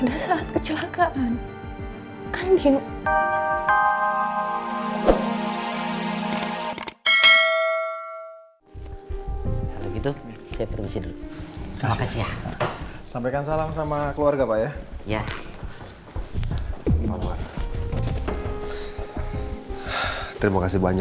kronologisi seperti apa